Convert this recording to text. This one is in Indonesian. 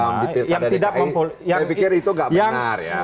saya pikir itu nggak benar ya